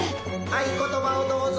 「合言葉をどうぞ」